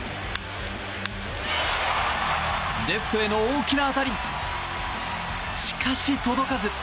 レフトへの大きな当たりしかし届かず。